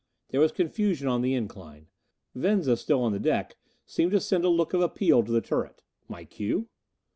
There was a confusion on the incline. Venza, still on the deck, seemed to send a look of appeal to the turret. My cue?